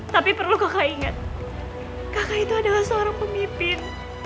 tapi perlu kakak ingat kakak itu adalah seorang pemimpin